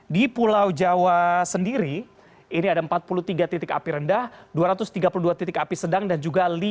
di pulau jawa sendiri ini ada empat puluh tiga titik api rendah dua ratus tiga puluh dua titik api sedang dan juga lima